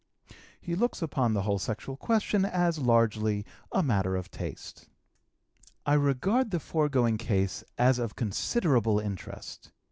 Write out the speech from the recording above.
He looks upon the whole sexual question as largely a matter of taste. I regard the foregoing case as of considerable interest.